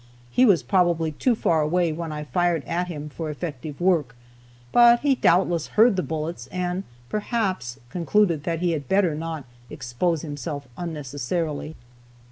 He was probably too far away when I fired at him for effective work, but he doubtless heard the bullets and perhaps concluded that he had better not expose himself unnecessarily.